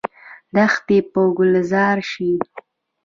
دښتې به ګلزار شي؟